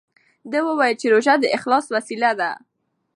ده وویل چې روژه د اخلاص وسیله ده.